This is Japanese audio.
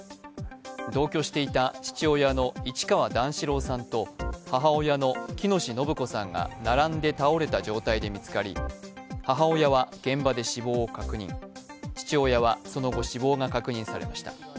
同居していた父親の市川段四郎さんと母親の喜熨斗延子さんが並んで倒れた状態で見つかり母親は現場で死亡を確認、父親はその後、死亡が確認されました。